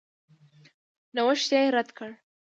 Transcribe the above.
نوښت یې رد کړ.